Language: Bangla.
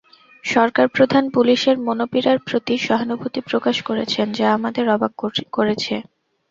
সরকারপ্রধান পুলিশের মনোপীড়ার প্রতি সহানুভূতি প্রকাশ করেছেন, যা আমাদের অবাক করেছে।